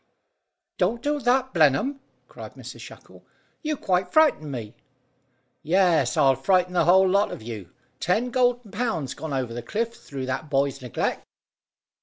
"Don't do that, Blenheim!" cried Mrs Shackle. "You quite frightened me." "Yes, I'll frighten the whole lot of you. Ten golden pounds gone over the cliff through that boy's neglect."